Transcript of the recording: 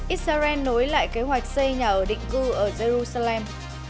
israel nối lại kế hoạch xây nhà ở định cư ở jerusalem